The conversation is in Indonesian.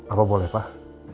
apa boleh pak